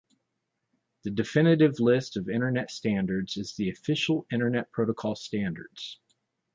The definitive list of Internet Standards is the Official Internet Protocol Standards.